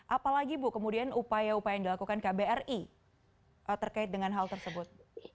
apalagi bu kemudian upaya upaya yang dilakukan kbri terkait dengan hal tersebut